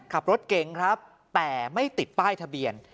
ขับรถเก่งครับแต่ไม่ติดป้ายทะเบียน